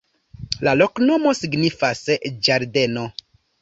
La loknomo signifas: ĝardeno.